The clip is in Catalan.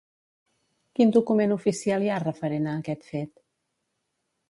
Quin document oficial hi ha referent a aquest fet?